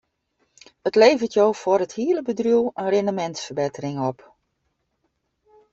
It leveret jo foar it hiele bedriuw in rindemintsferbettering op.